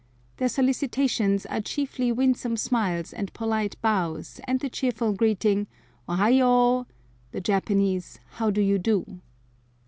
Their solicitations are chiefly winsome smiles and polite bows and the cheerful greeting "O ai o" (the Japanese "how do you do").